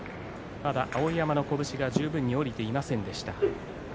まだ碧山の拳が十分に下りていませんでした。